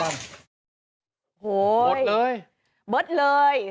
หมดเลยเบอร์ดเลย